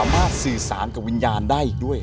สื่อสารกับวิญญาณได้อีกด้วย